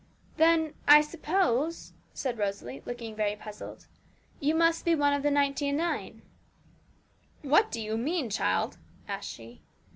'Then, I suppose,' said Rosalie, looking very puzzled, 'you must be one of the ninety and nine.' 'What do you mean, child?' asked she.